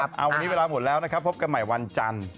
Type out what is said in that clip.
วันนี้เวลาหมดแล้วนะครับพบกันใหม่วันจันทร์